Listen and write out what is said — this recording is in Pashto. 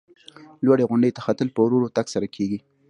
لوړې غونډۍ ته ختل په ورو ورو تګ سره کېږي.